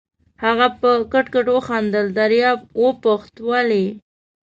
هغه په کټ کټ وخندل، دریاب وپوښت: ولې؟